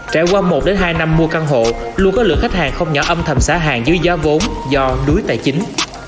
trải qua một hai năm mua căn hộ luôn có lượng khách hàng không nhỏ âm thầm xả hàng dưới giá vốn do đuối tài chính